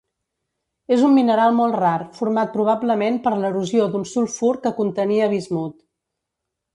És un mineral molt rar, format probablement per l'erosió d'un sulfur que contenia bismut.